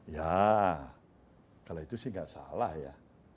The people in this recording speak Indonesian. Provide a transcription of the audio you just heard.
ya kalau itu sih nggak salah ya